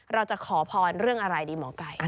เราจะขอพรเรื่องอะไรดีหมอไก่